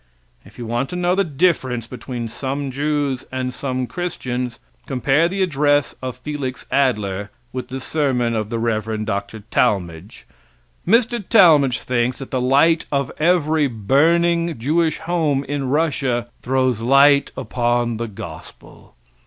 If you want to know the difference between some Jews and some Christians compare the address of Felix Adler with the sermon of the Rev. Dr. Talmage. Mr. Talmage thinks that the light of every burning Jewish home in Russia throws light upon the gospel.